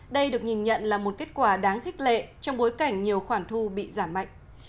đây được nhìn nhận là một kết quả đáng khích lệ trong bối cảnh nhiều khoản thu bị giảm mạnh